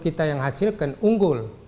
kita yang dihasilkan unggul